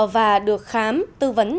và được khám tư vấn